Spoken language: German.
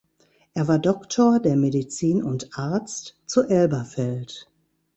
Er war Doktor der Medizin und Arzt zu Elberfeld.